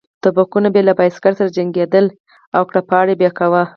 ټوپکونه به یې له بایسکل سره جنګېدل او کړپهار به یې کاوه.